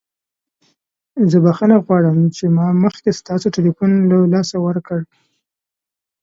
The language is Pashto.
زه بخښنه غواړم چې ما مخکې ستاسو تلیفون له لاسه ورکړ.